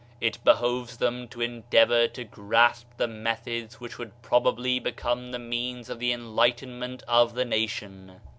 It behoves them to endeavor to grasp the methods which would probably become the means of the enlightenment of the nation.